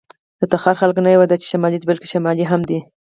د تخار خلک نه یواځې دا چې شمالي دي، بلکې شمالي هم دي.